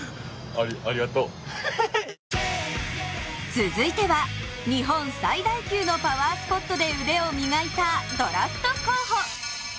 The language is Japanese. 続いては日本最大級のパワースポットで腕を磨いたドラフト候補。